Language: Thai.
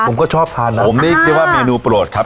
ผมก็ชอบทานผมนี่เรียกว่าเมนูโปรดครับ